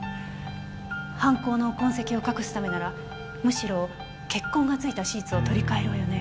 犯行の痕跡を隠すためならむしろ血痕がついたシーツを取り替えるわよね。